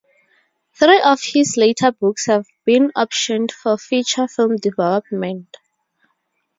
Three of his later books have been optioned for feature film development.